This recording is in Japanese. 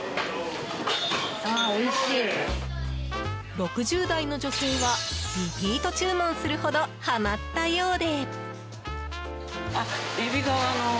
６０代の女性はリピート注文するほどはまったようで。